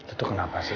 itu kenapa sih